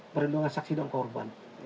perlindungan saksi dan korban